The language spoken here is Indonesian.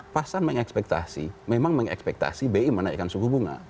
pasar mengekspektasi memang mengekspektasi bi menaikkan suku bunga